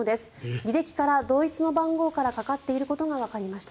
履歴から同一の番号からかかっていることがわかりました。